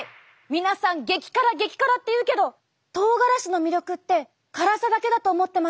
皆さん「激辛激辛」って言うけどとうがらしの魅力って辛さだけだと思ってませんか？